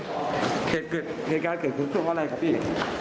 เหตุกลัยจากเมื่ออะไรพี่